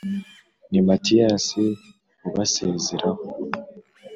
Ni Matiyasi ubasezeraho.